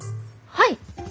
はい！